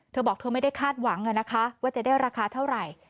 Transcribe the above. เธอบอกเธอไม่ได้คาดหวังนะคะว่าจะได้ราคาเท่าไหร่